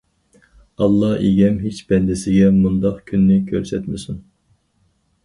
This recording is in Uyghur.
ئاللا ئىگەم ھېچ بەندىسىگە مۇنداق كۈننى كۆرسەتمىسۇن!...